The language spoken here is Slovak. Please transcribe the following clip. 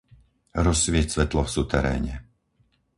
Rozsvieť svetlo v suteréne.